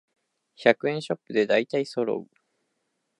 百円ショップでだいたいそろう